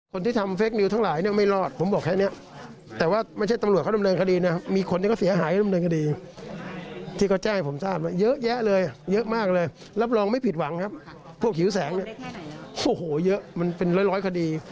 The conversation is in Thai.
คนที่ทำเฟคนิวทั้งหลายเนี่ยไม่รอดผมบอกแค่นี้แต่ว่าไม่ใช่ตำรวจเขาดำเนินคดีนะมีคนที่เขาเสียหายดำเนินคดีที่เขาแจ้งให้ผมทราบว่าเยอะแยะเลยเยอะมากเลยรับรองไม่ผิดหวังครับพวกหิวแสงเนี่ยโอ้โหเยอะมันเป็นร้อยคดี